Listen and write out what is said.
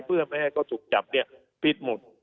เพื่อไม่ให้เขาถูกจับเนี่ยผิดหมด